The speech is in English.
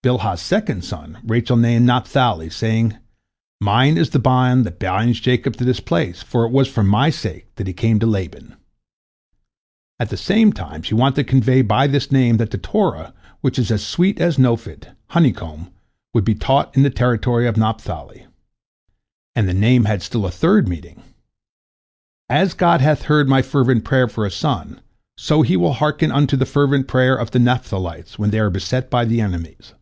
" Bilhah's second son Rachel named Naphtali, saying, "Mine is the bond that binds Jacob to this place, for it was for my sake that he came to Laban." At the same time she wanted to convey by this name that the Torah, which is as sweet as Nofet, "honeycomb," would be taught in the territory of Naphtali. And the name had still a third meaning: "As God hath heard my fervent prayer for a son, so He will hearken unto the fervent prayer of the Naphtalites when they are beset by their enemies."